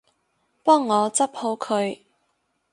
幫我執好佢